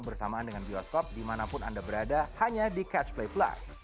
bersamaan dengan bioskop dimanapun anda berada hanya di catch play plus